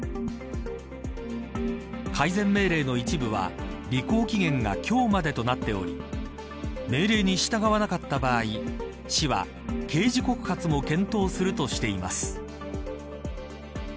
改善命令の一部は履行期限が今日までとなっており命令に従わなかった場合市は刑事告発も検討するとしています。